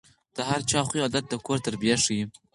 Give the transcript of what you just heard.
د هر چا خوی او عادت د کور تربیه ښيي.